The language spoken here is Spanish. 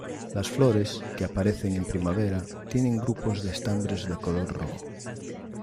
Las flores, que aparecen en primavera, tienen grupos de estambres de color rojo.